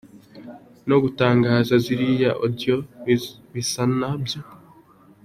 No gutangaza ziriya audios bisa na byo!